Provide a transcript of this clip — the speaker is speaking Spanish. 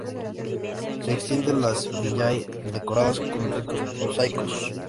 Se extienden las "villae" decoradas con ricos mosaicos.